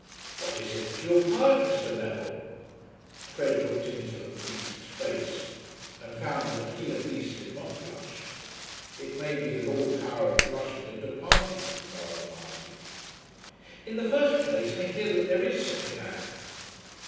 "What is it that you have heard, Mr. Neville?" Fred looked into the priest's face and found that he, at least, did not blush. It may be that all power of blushing had departed from Father Marty. "In the first place I hear that there is such a man."